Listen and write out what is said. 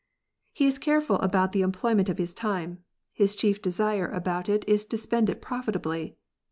He is careful about the employment of his time : his chief desire about it is to spend it profitably.